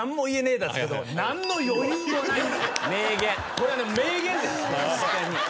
これは名言です。